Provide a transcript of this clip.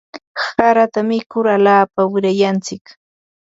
Harata mikur alaapa wirayantsik.